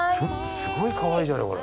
すごいかわいいじゃないこれ。